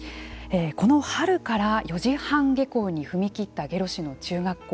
この春から４時半下校に踏み切った下呂市の中学校。